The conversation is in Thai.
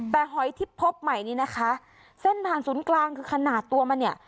แต่หอยที่พบใหม่นี้นะคะเส้นผ่านศูนย์กลางคือขนาดตัวมันเนี่ย